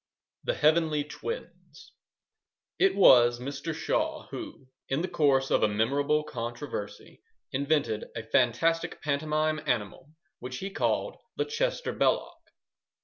The Heavenly Twins It was Mr. Shaw who, in the course of a memorable controversy, invented a fantastic pantomime animal, which he called the "Chester Belloc."